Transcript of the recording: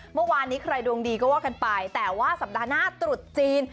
เมื่อวานนี้ใครดวงดีก็ว่ากันไปแต่ว่าสัปดาห์หน้าตรุษจีน